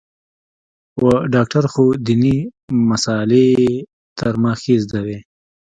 و ډاکتر خو ديني مسالې يې تر ما ښې زده وې.